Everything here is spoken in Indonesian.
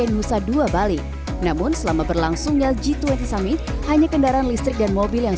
nusa dua bali namun selama berlangsungnya g dua puluh summit hanya kendaraan listrik dan mobil yang